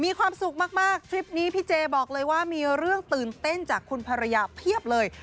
มีความสุขมากทริปนี้พี่เจบอกเลยว่ามีเรื่องตื่นเต้นจากคุณภรรยาเพียบเลย